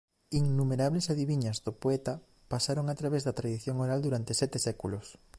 Innumerables adiviñas do poeta pasaron a través da tradición oral durante sete séculos.